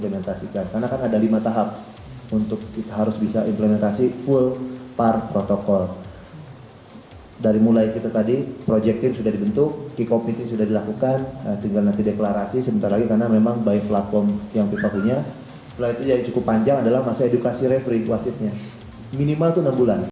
menurut pemirsa penyelenggaraan dan penyelenggaraan tersebut telah dilakukan oleh pemirsa